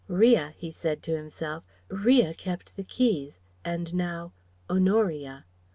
"' ria," he said to himself, "' ria kept the keys, and now ' Honoria.